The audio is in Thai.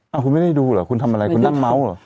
เอาคุณไม่ได้ดูเหรอคุณทำอะไรคุณนั่งเมาส์เหรอ